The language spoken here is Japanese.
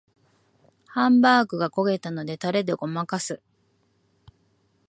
ハンバーグが焦げたのでタレでごまかす